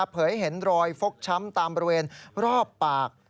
เผยเห็นรอยฟกช้ำตามบริเวณรอบปาก